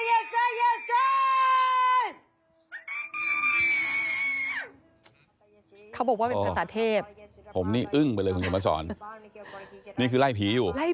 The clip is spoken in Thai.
ออกไปเดี๋ยวนี้